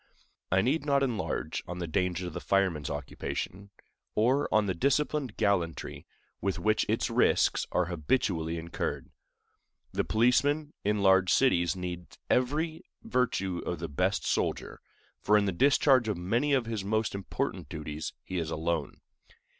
I need not enlarge on the dangers of the fireman's occupation, or on the disciplined gallantry with which its risks are habitually incurred. The policeman in large cities needs every virtue of the best soldier, for in the discharge of many of his most important duties he is alone.